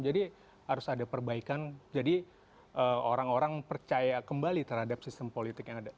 jadi harus ada perbaikan jadi orang orang percaya kembali terhadap sistem politik yang ada